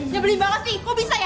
nyebelin banget sih kok bisa ya